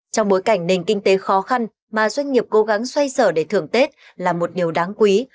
trong bối cảnh nền kinh tế khó khăn mà doanh nghiệp cố gắng xoay sở để thưởng tết là một điều đáng quý